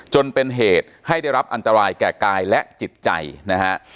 จนเป็นเหตุให้ได้รับอันตรายแก่กายและจิตใจนะฮะ